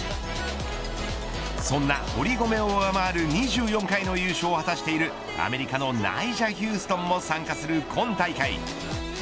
そんな堀米を上回る２４回の優勝を果たしているイアメリカのナイジャ・ヒューストンも参加する今大会。